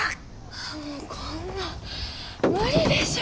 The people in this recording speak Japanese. ああもうこんなん無理でしょ。